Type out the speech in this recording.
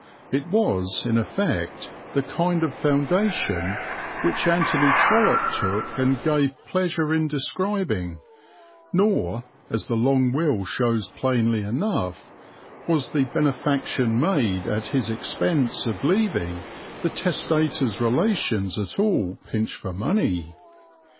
It was, in effect, the kind of foundation which Anthony Trollope took and gave pleasure in describing; nor, as the long will shows plainly enough, was the benefaction made at his expense of leaving the testator's relations at all pinched for money.